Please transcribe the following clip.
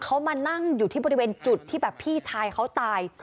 เขามานั่งอยู่ที่บริเวณจุดที่แบบพี่ชายเขาตาย